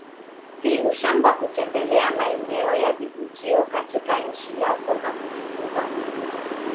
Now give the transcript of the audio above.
Si ushamba kutembelea maeneo ya vivutio katika nchi yako na kujifunza huko